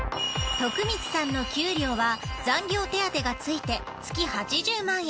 徳光さんの給料は残業手当がついて月８０万円。